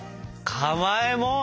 かまえもん！